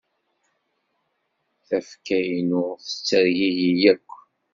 Tafekka-innu tettargigi yakk.